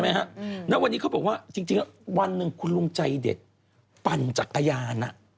แล้ววันนี้เขาบอกว่าจริงแล้ววันหนึ่งคุณลุงใจเด็ดปั่นจักรยาน